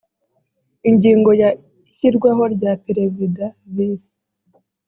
ingingo ya ishyirwaho rya perezida visi